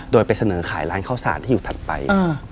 โดยไปเสนอขายร้านข้าวสารที่อยู่ถัดไป